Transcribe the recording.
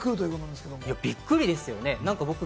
びっくりですよね。